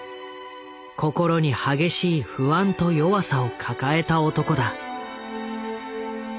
心に激しい不安と弱さを抱えた男だ。